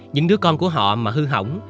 những đứa con của họ mà hư hỏng